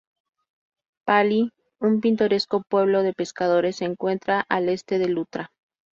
Pali, un pintoresco pueblo de pescadores, se encuentra al este de Lutra.